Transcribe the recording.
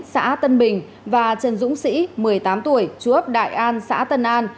xã tân bình và trần dũng sĩ một mươi tám tuổi chú ấp đại an xã tân an